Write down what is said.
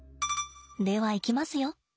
ではいきますよ。